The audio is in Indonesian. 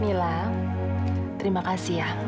mila terima kasih ya